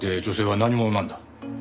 女性は何者なんだ？